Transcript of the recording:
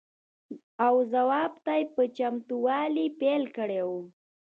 او ځواب ته په چتموالي پیل کړی وي.